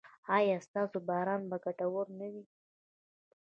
ایا ستاسو باران به ګټور نه وي؟